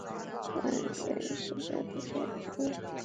万源小檗为小檗科小檗属的植物。